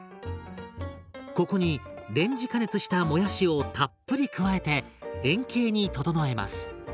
ここにレンジ加熱したもやしをたっぷり加えて円形に整えます。